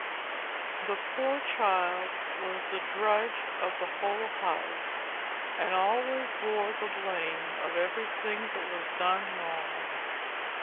The poor child was the drudge of the whole house and always bore the blame of everything that was done wrong.